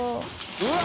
うわっ！